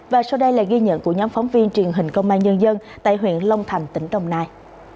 và sau đây là ghi nhận của nhóm phóng viên truyền hình công an nhân dân tại huyện long thành tỉnh đồng nai